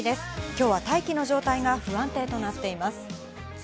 今日は大気の状態が不安定となっています。